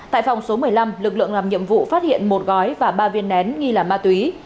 tại phòng số một mươi năm lực lượng làm nhiệm vụ phát hiện một gói và ba viên nén nghi là ma túy